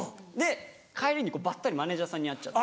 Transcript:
帰りにばったりマネジャーさんに会っちゃって。